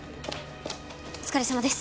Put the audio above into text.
お疲れさまです。